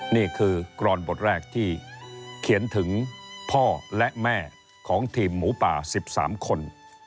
นี่คือกรอนบทแรกที่เขียนถึงพ่อและแม่ของทีมหมูป่า๑๓คน